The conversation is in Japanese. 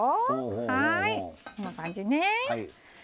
はいこんな感じね。